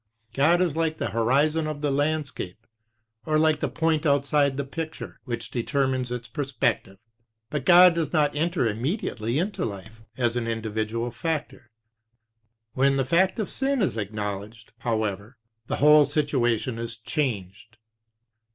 God is like the hori zon of the landscape, or like the point outside the picture which determines its perspective; but God does not enter immediately into life as an individual factor. When the fact of sin is ac knowledged, however, the whole situation is changed.